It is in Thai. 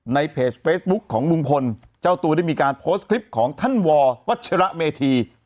ในเพจเฟซบุ๊คของลุงพลเจ้าตัวได้มีการโพสต์คลิปของท่านววัชระเมธี